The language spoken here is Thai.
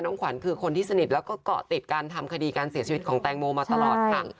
ขวัญคือคนที่สนิทแล้วก็เกาะติดการทำคดีการเสียชีวิตของแตงโมมาตลอดค่ะ